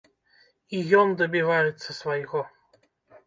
І ён дабіваецца свайго!